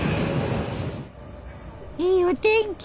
いいお天気。